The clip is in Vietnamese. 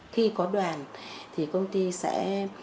khi có đoàn công ty sẽ chương trình đoàn